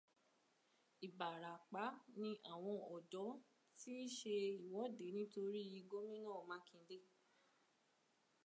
Ìbàràpá ni àwọn ọ̀dọ́ ti ṣe ìwọ́de nítorí Gómìnà Mákindé